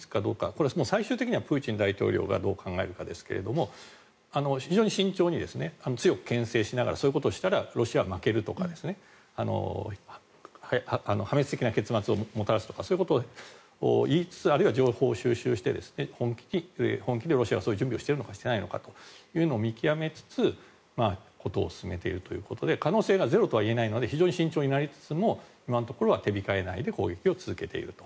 これは最終的にはプーチン大統領がどう考えるかですが非常に慎重に強くけん制しながらそういうことをしたらロシアは負けるとか破滅的な結末をもたらすとかそういうことを言いつつあるいは情報を収集しつつ本気でロシアはそういう準備を進めているのかどうか見極めつつ事を進めているということで可能性がゼロとは言えないので非常に慎重になりつつも今のところは手控えないで攻撃を続けていると。